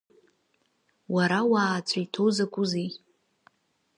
Уара уааҵәа иҭоу закәызеи?